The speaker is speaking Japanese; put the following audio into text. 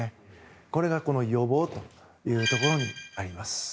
これが予防というところになります。